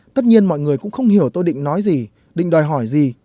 tất nhiên mọi người cũng không hiểu tôi định nói gì định đòi hỏi gì